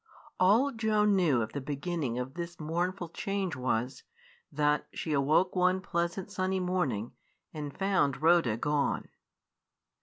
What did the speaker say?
All Joan knew of the beginning of this mournful change was, that she awoke one pleasant sunny morning and found Rhoda gone.